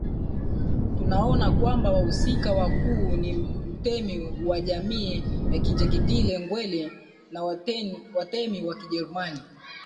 Tunaona kwamba wahusika wakuu ni mtemi wa wanajamii Kinjekitile Ngwale na watemi wa Kijerumani